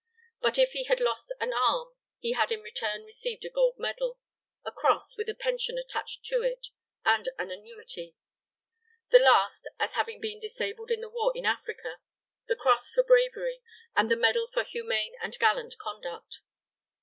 But if he had lost an arm he had in return received a gold medal, a cross with a pension attached to it, and an annuity; the last, as having been disabled in the war in Africa; the cross for bravery; and the medal for humane and gallant conduct.